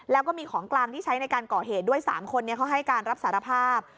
แล้วก็มีของกลางที่ใช้ในการเกาะเหตุด้วย๓คนให้การทรัพย์ศาลภาพ